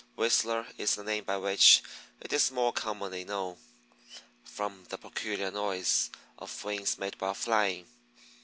Whistler is the name by which it is more commonly known, from the peculiar noise of wings made while flying.